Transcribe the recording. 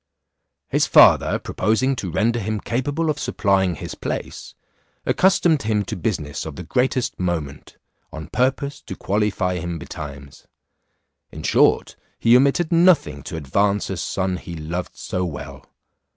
His father proposing to render him capable of supplying his place, accustomed him to business of the greatest moment, on purpose to qualify him betimes. In short, he omitted nothing to advance a son he loved so well.